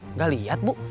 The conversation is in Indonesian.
nggak liat bu